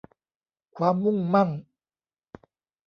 ความมุ่งมั่น